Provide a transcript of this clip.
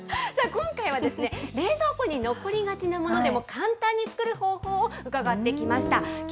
さあ、今回は冷蔵庫に残りがちなものでも簡単に作る方法を伺ってきました。